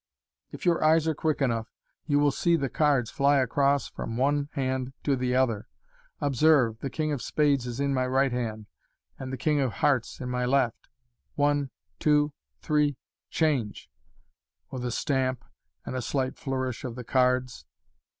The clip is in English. If your eyes are quick enough, you will see the cards fly across from the one hand to the other. Observe, the k;ng of spades is in my right hand, and the king of hearts in my left. One, two, three — Change !" (with a stamp and a slight flourish of the cards).